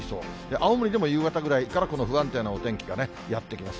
青森でも夕方ぐらいから不安定なお天気がね、やって来ます。